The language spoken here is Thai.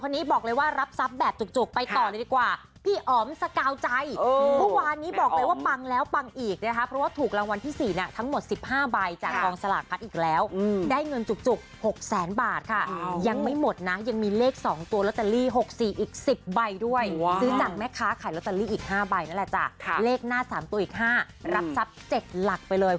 พี่บอกเลยว่ารับทรัพย์แบบจุกไปต่อหน่อยดีกว่าพี่อ๋อมสกาวใจวันนี้บอกเลยว่าปังแล้วปังอีกนะครับเพราะว่าถูกรางวัลที่๔นะทั้งหมด๑๕ใบจากกองสลักพัดอีกแล้วได้เงินจุก๖๐๐๐๐๐บาทค่ะยังไม่หมดนะยังมีเลข๒ตัวล็อตเตอรี่๖๔อีก๑๐ใบด้วยซื้อจากแม่ค้าขายล็อตเตอรี่อีก๕ใบนั่นแหล